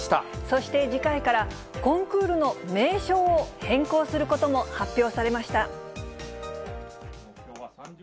そして、次回から、コンクールの名称を変更することも発表されました。